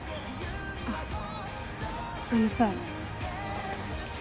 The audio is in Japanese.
あっあのさ